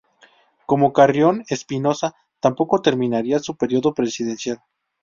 Como Carrión, Espinosa tampoco terminaría su periodo presidencial.